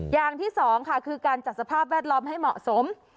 อย่างที่สองค่ะคือการจัดสภาพแวดล้อมให้เหมาะสม